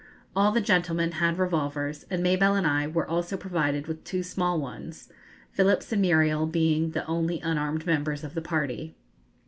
All the gentlemen had revolvers, and Mabelle and I were also provided with two small ones, Phillips and Muriel being the only unarmed members of the party.